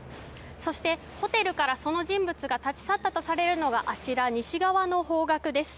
そして、ホテルからその人物が立ち去ったとされるのがあちら、西側の方角です。